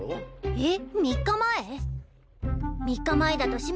えっ？